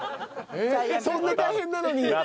そんな大変なのに。